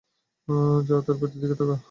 যা তার পেটের দিকে তাকা!